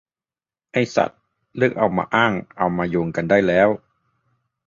ไอ้สัส เลิกเอามาอ้างเอามาโยงกันได้แล้ว